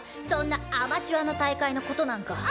そんなアマチュアの大会のことなんか。